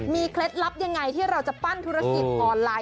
เคล็ดลับยังไงที่เราจะปั้นธุรกิจออนไลน